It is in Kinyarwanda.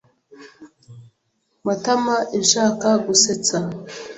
Matamainshaka gusetsa.